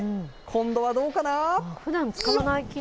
今度はどうかな？